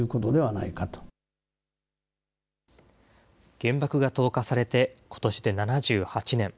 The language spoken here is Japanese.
原爆が投下されてことしで７８年。